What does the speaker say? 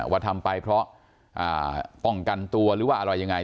ว่าทำไปเพราะป้องกันตัวหรือว่าอะไรยังไง